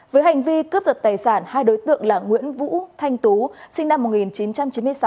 với hành vi cướp giật tài sản hai đối tượng là nguyễn vũ thanh tú sinh năm một nghìn chín trăm chín mươi sáu